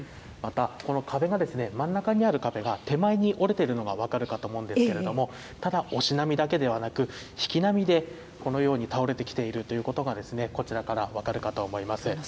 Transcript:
また、この壁が、真ん中にある壁が手前に折れているのが、分かるかと思うんですけれども、ただ押し波だけではなく、引き波でこのように倒れてきているということが、こちらから分かるかと思います。